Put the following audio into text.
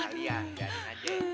arya gading aja